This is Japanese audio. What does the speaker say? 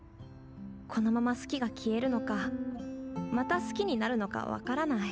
このまま好きが消えるのかまた好きになるのか分からない。